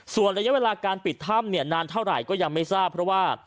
ส่วนระยะเวลาการปิดถ้ำเนี่ยนานเท่าไหร่ก็ยังไม่ทราบเพราะว่า